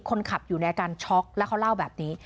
คนขับอยู่ในอาการช็อกแล้วเขาเล่าแบบนี้